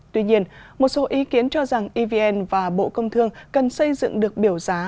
tuy nhiên một số ý kiến cho rằng evn và bộ công thương cần xây dựng được biểu giá